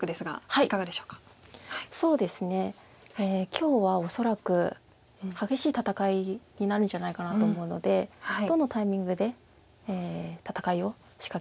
今日は恐らく激しい戦いになるんじゃないかなと思うのでどのタイミングで戦いを仕掛けるのか楽しみです。